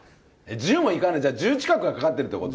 １０もいかない、じゃあ、１０近くはかかってるってこと？